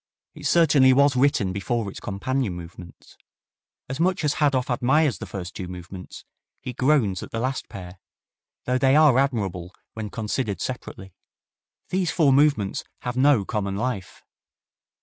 It certainly was written before its companion movements. As much as Hadow admires the first two movements, he groans at the last pair, though they are admirable when considered separately. These four movements have no common life.